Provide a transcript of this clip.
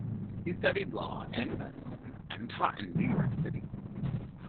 He studied law and medicine, and taught in New York City.